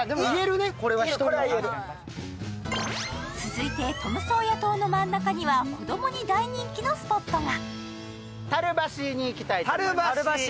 続いてトムソーヤ島の真ん中には子供に大人気のスポットが。